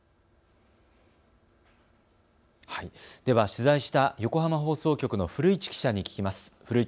では取材した横浜放送局の古市記者に聞きます。